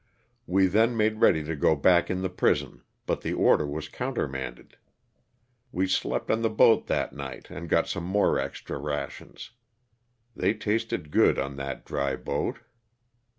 We then made ready to go back in the prison, but the order was countermanded. We slept on the boat that night and got some more extra rations. They tasted good on that dry boat.